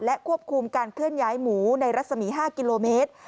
ควบคุมการเคลื่อนย้ายหมูในรัศมี๕กิโลเมตร